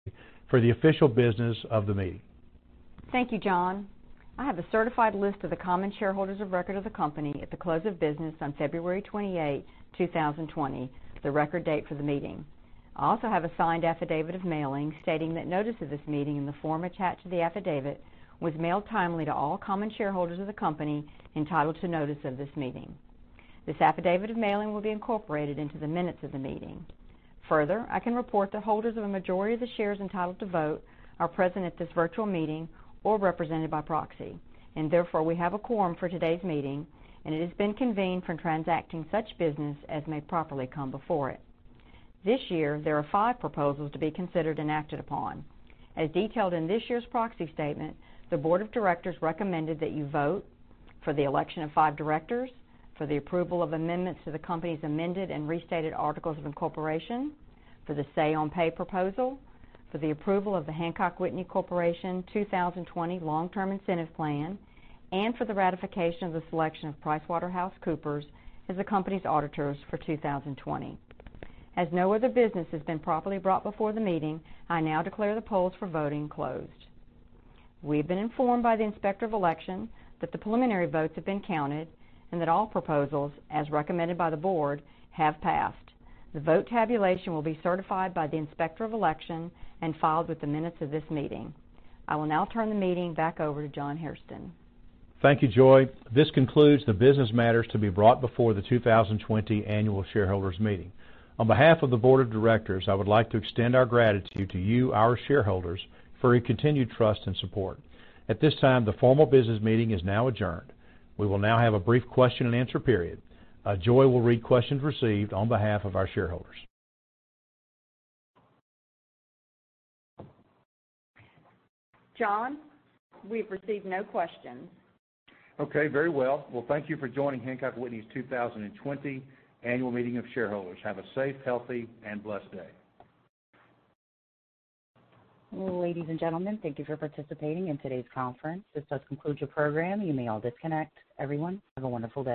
For the official business of the meeting. Thank you, John. I have a certified list of the common shareholders of record of the company at the close of business on February 28, 2020, the record date for the meeting. I also have a signed affidavit of mailing stating that notice of this meeting in the form attached to the affidavit was mailed timely to all common shareholders of the company entitled to notice of this meeting. This affidavit of mailing will be incorporated into the minutes of the meeting. Further, I can report that holders of a majority of the shares entitled to vote are present at this virtual meeting or represented by proxy, and therefore, we have a quorum for today's meeting, and it has been convened for transacting such business as may properly come before it. This year, there are five proposals to be considered and acted upon. As detailed in this year's proxy statement, the board of directors recommended that you vote for the election of five directors, for the approval of amendments to the company's amended and restated articles of incorporation, for the say on pay proposal, for the approval of the Hancock Whitney Corporation 2020 Long-Term Incentive Plan, and for the ratification of the selection of PricewaterhouseCoopers as the company's auditors for 2020. As no other business has been properly brought before the meeting, I now declare the polls for voting closed. We've been informed by the Inspector of Election that the preliminary votes have been counted and that all proposals, as recommended by the board, have passed. The vote tabulation will be certified by the Inspector of Election and filed with the minutes of this meeting. I will now turn the meeting back over to John Hairston. Thank you, Joy. This concludes the business matters to be brought before the 2020 annual shareholders meeting. On behalf of the board of directors, I would like to extend our gratitude to you, our shareholders, for your continued trust and support. At this time, the formal business meeting is now adjourned. We will now have a brief question and answer period. Joy will read questions received on behalf of our shareholders. John, we've received no questions. Okay, very well. Well, thank you for joining Hancock Whitney's 2020 annual meeting of shareholders. Have a safe, healthy, and blessed day. Ladies and gentlemen, thank you for participating in today's conference. This does conclude your program. You may all disconnect. Everyone, have a wonderful day.